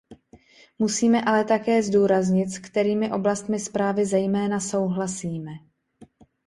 Musíme ale také zdůraznit, s kterými oblastmi zprávy zejména souhlasíme.